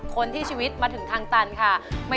คนที่ชีวิตมาถึงทางตันค่ะ